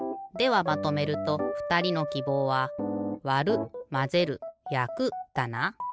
ではまとめるとふたりのきぼうは「わる」「まぜる」「やく」だな？